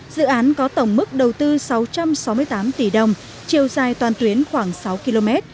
dự án có tổng mức đầu tư sáu trăm sáu mươi tám tỷ đồng chiều dài toàn tuyến khoảng sáu km